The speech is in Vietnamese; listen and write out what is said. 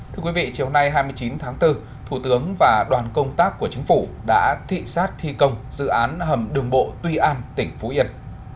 thưa quý vị chiều nay hai mươi chín tháng bốn thủ tướng và đoàn công tác của chính phủ đã thị xác thi công dự án hầm đường bộ tuy an tỉnh phú yên